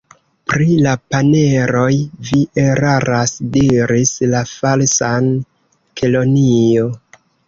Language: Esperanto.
"Pri la paneroj vi eraras," diris la Falsa Kelonio.